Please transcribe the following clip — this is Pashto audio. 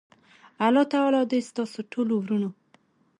الله تعالی دی ستاسی ټولو ورونو